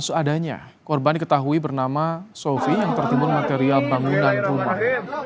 seadanya korban diketahui bernama sofi yang tertimbun material bangunan rumah